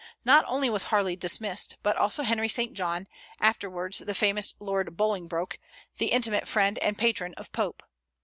Not only was Harley dismissed, but also Henry St. John, afterwards the famous Lord Bolingbroke, the intimate friend and patron of Pope.